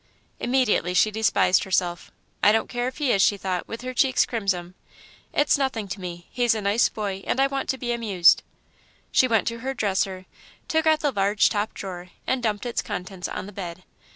Immediately she despised herself. "I don't care if he is," she thought, with her cheeks crimson; "it's nothing to me. He's a nice boy, and I want to be amused." She went to her dresser, took out the large top drawer, and dumped its contents on the bed.